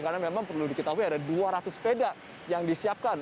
karena memang perlu diketahui ada dua ratus sepeda yang disiapkan